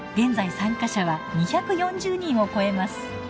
参加者は２４０人を超えます。